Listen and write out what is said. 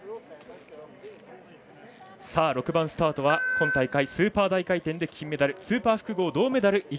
６番スタートは今大会、スーパー大回転で金メダル、スーパー複合銅メダル